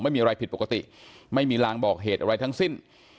ไม่มีอะไรผิดปกติไม่มีลางบอกเหตุอะไรทั้งสิ้น